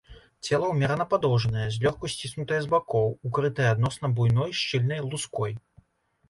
Цела ўмерана падоўжанае, злёгку сціснутае з бакоў, укрытае адносна буйной шчыльнай луской.